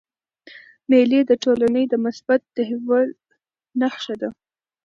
مېلې د ټولني د مثبت تحول نخښه ده.